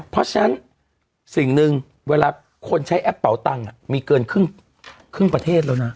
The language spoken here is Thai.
เพราะฉะนั้นสิ่งหนึ่งเวลาคนใช้แอปเป่าตังค์มีเกินครึ่งประเทศแล้วนะ